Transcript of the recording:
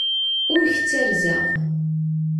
Ur k-ttarzeɣ.